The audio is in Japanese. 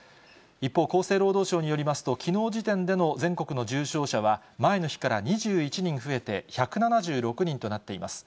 一方、厚生労働省によりますと、きのう時点での全国の重症者は、前の日から２１人増えて、１７６人となっています。